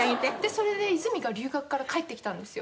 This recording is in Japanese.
それで泉が留学から帰ってきたんですよ。